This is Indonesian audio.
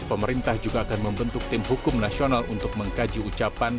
pemerintah juga akan membentuk tim hukum nasional untuk mengkaji ucapan